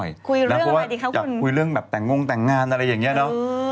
เพราะว่าอยากคุยเรื่องแบบแต่งงแต่งงานอะไรอย่างนี้เนอะ